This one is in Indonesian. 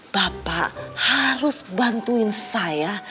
bapak harus bantuin saya